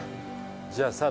じゃあさ